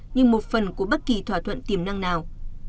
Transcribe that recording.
nhưng một phần của bất kỳ thỏa thuận tiềm năng nào